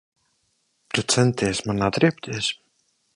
Tu centies man atriebties.